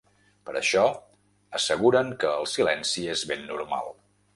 Per això, asseguren que el silenci és ben normal.